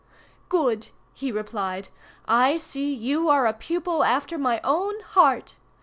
"Good!" he replied. "I see you are a pupil after my own heart.